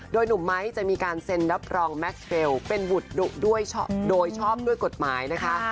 โดยหนุ่มไม้จะมีการเซ็นรับรองแม็กซ์เรลเป็นบุตรดุด้วยโดยชอบด้วยกฎหมายนะคะ